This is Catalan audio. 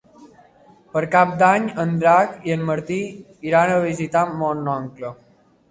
Per Cap d'Any en Drac i en Martí iran a visitar mon oncle.